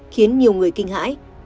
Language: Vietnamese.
khiến nhiều người kinh hãi